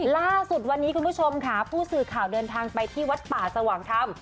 ล่าสุดวันนี้คุณผู้ชมค่ะผู้สื่อข่าวเดินทางไปที่วัดป่าสว่างธรรม